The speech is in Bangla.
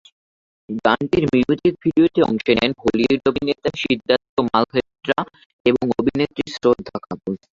গানটির মিউজিক ভিডিওতে অংশ নেন বলিউড অভিনেতা সিদ্ধার্থ মালহোত্রা এবং অভিনেত্রী শ্রদ্ধা কাপুর।